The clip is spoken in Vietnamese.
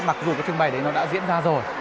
mặc dù cái trưng bày đấy nó đã diễn ra rồi